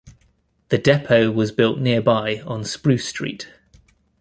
The depot was built nearby on Spruce Street.